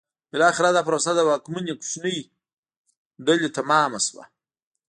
بالاخره دا پروسه د واکمنې کوچنۍ ډلې تمامه شوه.